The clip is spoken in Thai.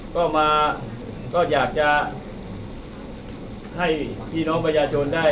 ก็มาก็อยากจะให้พี่น้องประชาชนได้